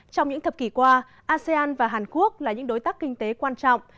trong những thập kỷ qua asean và hàn quốc là những đối tác kinh tế quan trọng